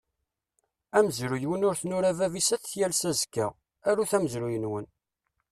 Amezruy win ur t-nura bab-is ad t-yalles azekka, arut amezruy-nwen!